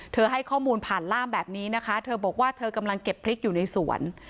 ให้ข้อมูลผ่านล่ามแบบนี้นะคะเธอบอกว่าเธอกำลังเก็บพริกอยู่ในสวน